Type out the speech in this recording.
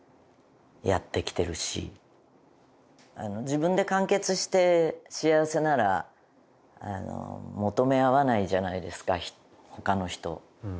自分で完結して幸せなら求め合わないじゃないですか他の人と。